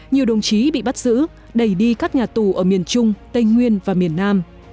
nhiều đồng chí bị bắt giữ đầy đi các nhà tù ở miền trung tây nguyên và miền nam